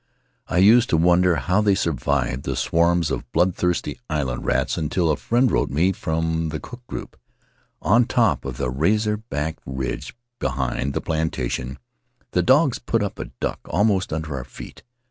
I used to wonder how they survived the swarms of bloodthirsty island rats until a friend wrote me from the Cook group: "On top of the razor back ridge be hind the plantation, the dogs put up a duck almost under our feet.